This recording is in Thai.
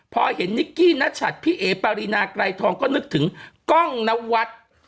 พอเห็นนิกกี้นัชัดพี่เอ๋ปารีนาไกรทองก็นึกถึงกล้องนวัฒน์